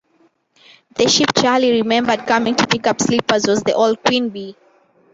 The ship Charlie remembered coming to pick up sleepers was the old "Queen Bee".